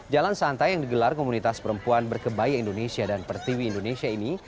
jalan santai yang digelar komunitas perempuan berkebaya indonesia dan pertiwi indonesia ini